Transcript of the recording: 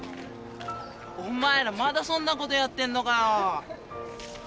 お前らまだそんなことやってんのかよ。